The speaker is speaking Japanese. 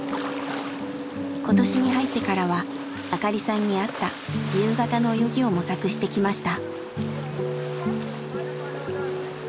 今年に入ってからは明香里さんに合った自由形の泳ぎを模索してきました。